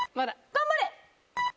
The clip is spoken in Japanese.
頑張れ！